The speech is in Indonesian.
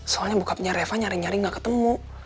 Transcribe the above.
soalnya bokapnya reva nyari nyari gak ketemu